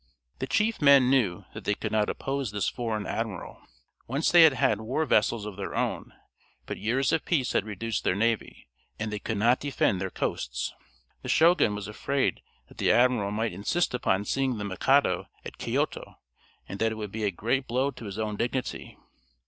The chief men knew that they could not oppose this foreign admiral. Once they had had war vessels of their own, but years of peace had reduced their navy, and they could not defend their coasts. The Shogun was afraid that the admiral might insist upon seeing the Mikado at Ki[=o]to, and that would be a great blow to his own dignity.